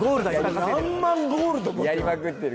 何万ゴールド持ってた。